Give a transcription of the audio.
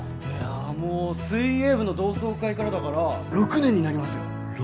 いやあもう水泳部の同窓会からだから６年になりますよ